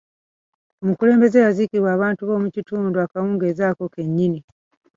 Omukulembeze yaziikibwa abantu b'omu kitundu akawungeezi ako ke nnyini.